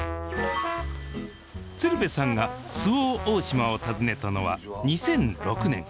鶴瓶さんが周防大島を訪ねたのは２００６年。